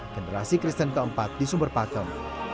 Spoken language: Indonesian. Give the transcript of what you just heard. generasi kristen keempat di sumber pakem